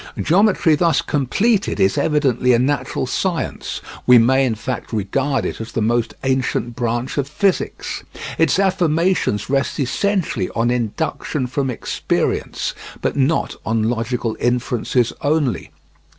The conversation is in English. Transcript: Geometry thus completed is evidently a natural science; we may in fact regard it as the most ancient branch of physics. Its affirmations rest essentially on induction from experience, but not on logical inferences only.